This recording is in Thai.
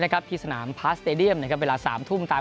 นะครับที่สนามพาสตาเดียยมนะครับเวลาสามทุ่มตาม